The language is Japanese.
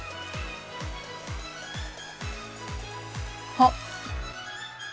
あっ。